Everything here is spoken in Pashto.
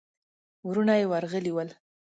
وروڼه يې ورغلي ول.